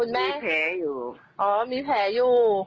มีแผลอยู่อ๋อมีแผลอยู่